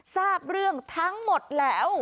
ทราบเรื่องทั้งหมดแล้ว